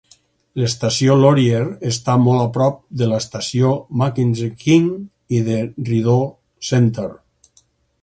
L'estació Laurier està molt a prop de l'estació Mackenzie King i de Rideau Centre.